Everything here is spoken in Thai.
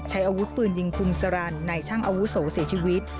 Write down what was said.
ใช้อาวุธปืนยิงพุมสรรในช่างอาวุโสเสียชีวิต